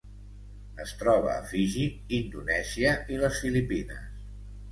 Es troba a Fiji, Indonèsia i les Filipines.